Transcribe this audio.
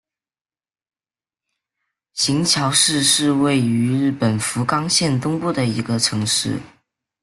行桥市是位于日本福冈县东部的一个城市。